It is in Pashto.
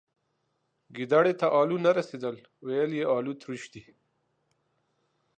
گيدړي ته الو نه رسيدل ، ويل يې الوتروش.